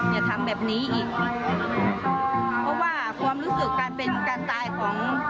อย่าทำแบบนี้อีกเพราะว่าความรู้สึกการเป็นการตายของ